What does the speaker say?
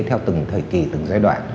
theo từng thời kỳ từng giai đoạn